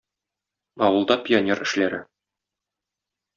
Авылда пионер эшләре.